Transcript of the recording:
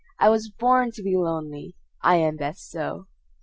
I was born to be lonely, I am best so!"